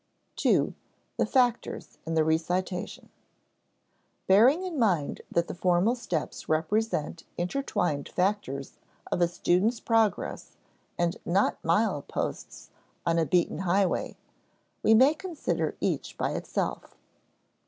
§ 2. The Factors in the Recitation Bearing in mind that the formal steps represent intertwined factors of a student's progress and not mileposts on a beaten highway, we may consider each by itself.